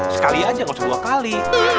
sekali aja nggak usah dua kali